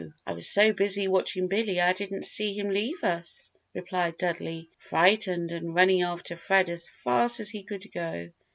I was so busy watching Billy I didn't see him leave us," replied Dudley, frightened and running after Fred as fast as he could go.